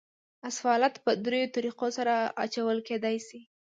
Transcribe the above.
اسفالټ په دریو طریقو سره اچول کېدای شي